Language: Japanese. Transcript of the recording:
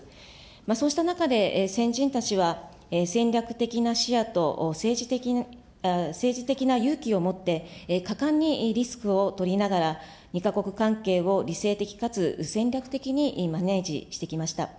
そうした中で、先人たちは戦略的な視野と政治的な勇気を持って、果敢にリスクを取りながら、２か国関係を理性的かつ戦略的にマネージしてきました。